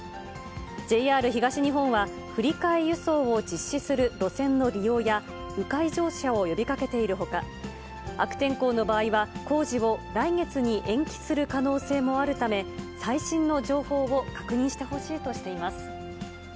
ＪＲ東日本は、振り替え輸送を実施する路線の利用や、う回乗車を呼びかけているほか、悪天候の場合は工事を来月に延期する可能性もあるため、最新の情報を確認してほしいとしています。